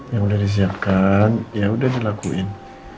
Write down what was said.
yang udah disiapkan ya udah dilakuin